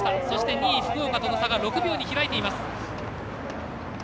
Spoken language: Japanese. そして、２位、福岡との差が６秒に開いています。